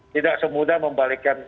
tidak semudah membalikkan